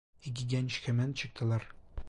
İki genç hemen çıktılar.